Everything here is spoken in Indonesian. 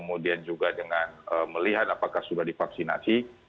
dan kemudian juga dengan melihat apakah sudah divaksinasi